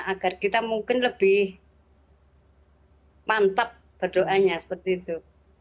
agar kita mungkin lebih mantap berdoanya seperti itu